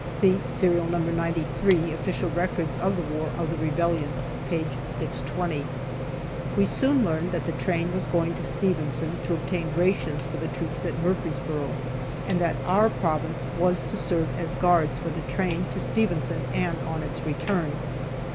(See Serial No. 93, Official Records of the War of the Rebellion, p. 620.) We soon learned that the train was going to Stevenson to obtain rations for the troops at Murfreesboro, and that our province was to serve as guards for the train, to Stevenson and on its return.